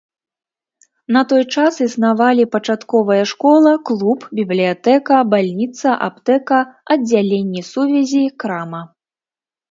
На той час існавалі пачатковая школа, клуб, бібліятэка, бальніца, аптэка, аддзяленне сувязі, крама.